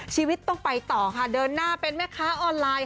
ชีวิตต้องไปต่อค่ะเดินหน้าเป็นแม่ค้าออนไลน์